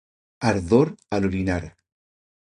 • Ardor al orinar.